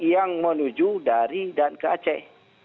yang menuju dari dan ke aceh